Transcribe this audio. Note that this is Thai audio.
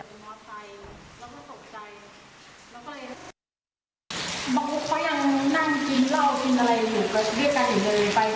เธอกำลังไปแล้วก็ตกใจ